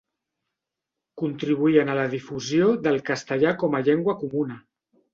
Contribuïen a la difusió del castellà com a llengua comuna.